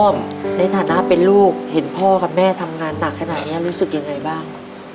ในฐานะเป็นลูกเห็นพ่อกับแม่ทำงานหนักขนาดนี้รู้สึกยังไงบ้าง